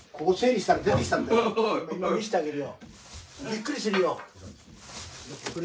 びっくりするよ。